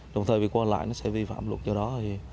đồng thời việc qua lại nó sẽ vi phạm luật do đó